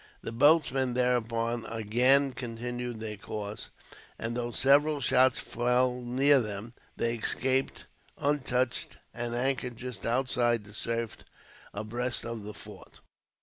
The boatmen, thereupon, again continued their course; and, though several shots fell near them, they escaped untouched, and anchored just outside the surf, abreast of the fort.